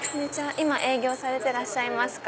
今営業されてらっしゃいますか？